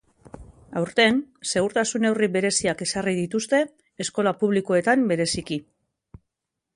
Aurten, segurtasun neurri bereziak ezarri dituzte, eskola pubilkoetan bereziki.